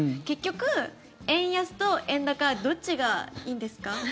結局、円安と円高どっちがいいんですか？